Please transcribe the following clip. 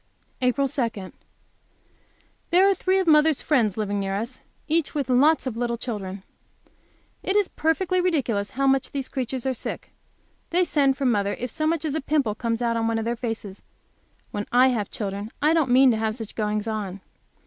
APRIL 2. There are three of mother's friends living near us, each having lots of little children. It is perfectly ridiculous how much those creatures are sick. They send for mother if so much as a pimple comes out on one of their faces. When I have children I don't mean to have such goings on.